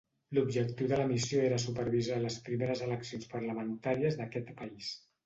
L'objectiu de la missió era supervisar les primeres eleccions parlamentàries d'aquest país.